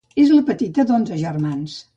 És la petita d'onze germans.